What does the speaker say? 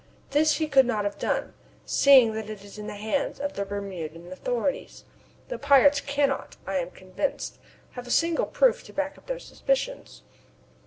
This he could not have done, seeing that it is in the hands of the Bermudan authorities. The pirates cannot, I am convinced, have a single proof to back up their suspicions.